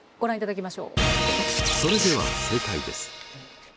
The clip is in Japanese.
それでは正解です。